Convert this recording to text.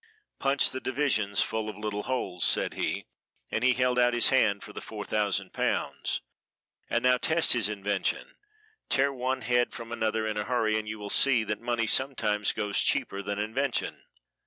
"Punch the divisions full of little holes," said he, and he held out his hand for the four thousand pounds; and now test his invention, tear one head from another in a hurry, and you will see that money sometimes goes cheaper than invention.